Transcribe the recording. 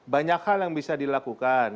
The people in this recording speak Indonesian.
banyak hal yang bisa dilakukan